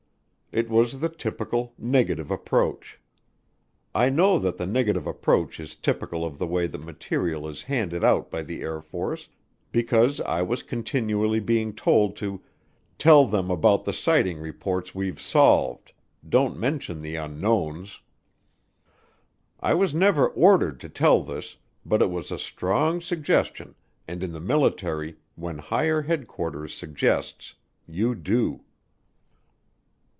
It was the typical negative approach. I know that the negative approach is typical of the way that material is handed out by the Air Force because I was continually being told to "tell them about the sighting reports we've solved don't mention the unknowns." I was never ordered to tell this, but it was a strong suggestion and in the military when higher headquarters suggests, you do.